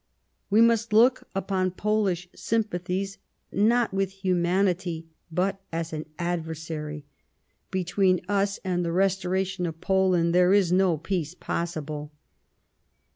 We must look upon Polish sympathies not with humanity, but as an adversary ; between us and the restora tion of Poland there is no peace possible."